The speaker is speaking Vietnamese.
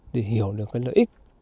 để hiểu được cái lợi ích